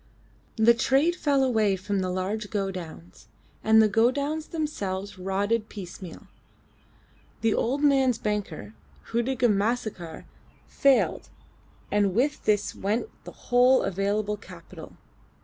The trade fell away from the large godowns, and the godowns themselves rotted piecemeal. The old man's banker, Hudig of Macassar, failed, and with this went the whole available capital.